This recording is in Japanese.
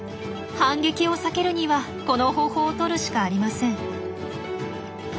反撃を避けるにはこの方法をとるしかありません。